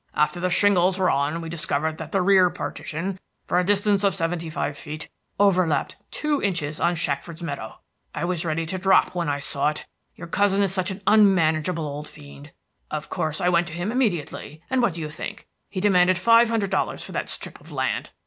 After the shingles were on we discovered that the rear partition, for a distance of seventy five feet, overlapped two inches on Shackford's meadow. I was ready to drop when I saw it, your cousin is such an unmanageable old fiend. Of course I went to him immediately, and what do you think? He demanded five hundred dollars for that strip of land!